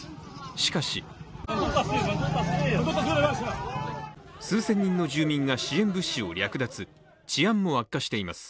しかし数千人の住民が支援物資を略奪、治安も悪化しています。